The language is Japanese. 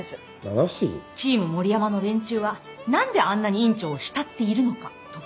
「チーム森山の連中はなんであんなに院長を慕っているのか」とか。